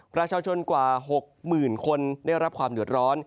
ประชาชนกว่า๖๐๐๐คนได้รับความเดือดร้อน